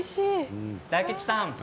大吉さん